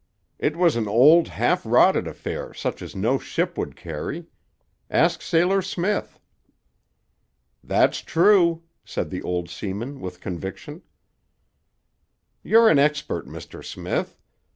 It was an old half rotted affair such as no ship would carry. Ask Sailor Smith." "That's true," said the old seaman with conviction. "You're an expert, Mr. Smith.